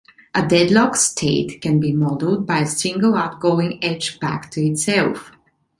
A deadlock state can be modeled by a single outgoing edge back to itself.